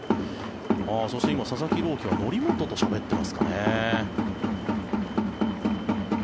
そして今、佐々木朗希は則本としゃべってますかね。